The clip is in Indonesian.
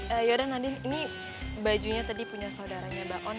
yaudah nadin ini bajunya tadi punya saudaranya mbak on